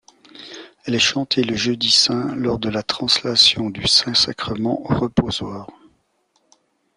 Elle est chantée le Jeudi saint lors de la translation du Saint-Sacrement au reposoir.